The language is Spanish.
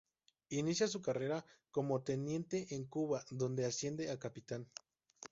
Inicia su carrera como teniente en Cuba, donde asciende a capitán.